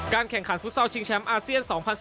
แข่งขันฟุตซอลชิงแชมป์อาเซียน๒๐๑๙